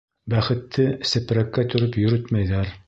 Бәхетте сепрәккә төрөп йөрөтмәйҙәр.